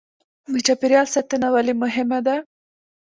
د چاپیریال ساتنه ولې مهمه ده